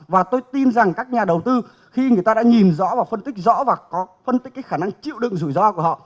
và tôi tin rằng các nhà đầu tư khi người ta đã nhìn rõ và phân tích rõ và có phân tích cái khả năng chịu đựng rủi ro của họ